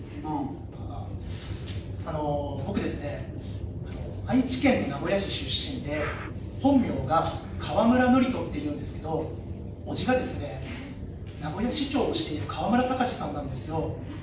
あの僕ですね、愛知県名古屋市出身で、本名が河村のりとっていうんですけどおじが名古屋市長をしている河村たかしさんなんですよ。